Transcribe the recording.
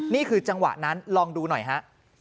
นี่คือจังหวะนั้นลองดูหน่อยฮะ